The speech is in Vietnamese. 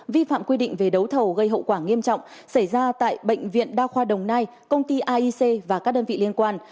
vi phạm quy định về đấu thầu gây hậu quả nghiêm trọng xảy ra tại bệnh viện đa khoa đồng nai công ty aic và các đơn vị liên quan